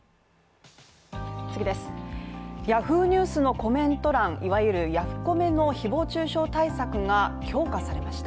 Ｙａｈｏｏ！ニュースのコメント欄、いわゆるヤフコメの誹謗中傷対策が強化されました